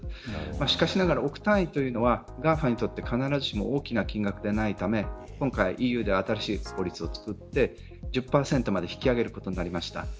しかしながら億単位というのはＧＡＦＡにとっては必ずしも大きな金額ではないため今回ＥＵでは新しい法律を作って１０％まで引き上げることになりました。